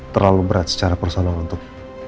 terlalu berat secara personal untuk